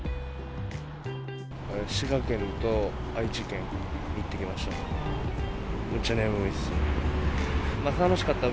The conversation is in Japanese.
滋賀県と愛知県に行ってきました。